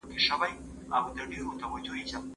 مور یې له خپلې لور سره ډېره مینه درلوده.